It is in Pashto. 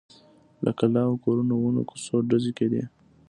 له کلاوو، کورونو، ونو، کوڅو… ډزې کېدې.